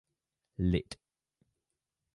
Litt.